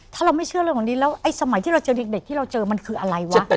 ถ้าเราไม่เชื่อเรื่องของดีแล้วไอ้สมัยที่เราเจอเด็กที่เราเจอมันคืออะไรวะ